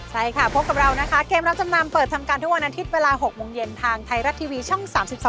ใช่ค่ะพบกับเรานะคะเกมรับจำนำเปิดทำการทุกวันอาทิตย์เวลา๖โมงเย็นทางไทยรัฐทีวีช่อง๓๒